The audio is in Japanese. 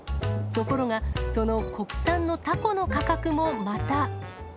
ところが、その国産のタコの価格もまた。